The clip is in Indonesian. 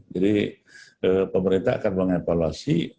jadi pemerintah akan mengevaluasi